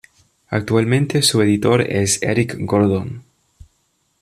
Actualmente su editor es Eric Gordon.